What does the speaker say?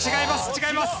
違います。